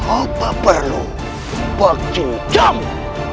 apa perlu bagi kamu